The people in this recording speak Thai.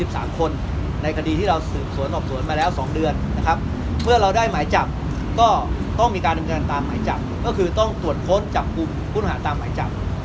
สวนออกสวนมาแล้ว๒เดือนนะครับเมื่อเราได้หมายจับก็ต้องมีการดำเนินตามหมายจับก็คือต้องตรวจค้นจับกลุ่มคุณหาตามหมายจับ